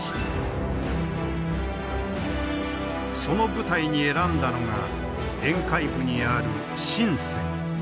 その舞台に選んだのが沿海部にある深。